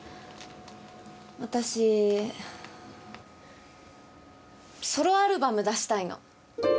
私、ソロアルバム出したいの。